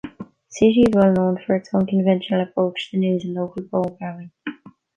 City is well known for its unconventional approach to news and local programming.